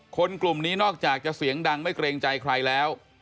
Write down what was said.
คนกลุ่มนี้นอกจากจะเสียงดังไม่เกรงใจใครแล้ว